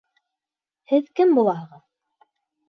Һеҙ кем булаһығыҙ?